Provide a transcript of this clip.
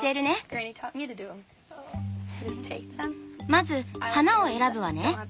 まず花を選ぶわね。